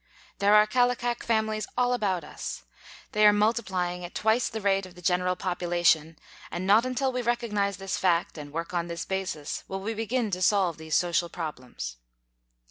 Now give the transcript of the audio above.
There are Kallikak families all about us. They are multiplying at twice the rate of the general population, and not until we recognize this fact, and work on this basis, will we begin to solve these social problems.